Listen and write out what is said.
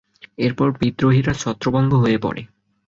এরপর বিদ্রোহীরা ছত্রভঙ্গ হয়ে পড়ে।